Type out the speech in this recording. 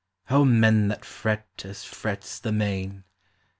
O men that fret as frets the main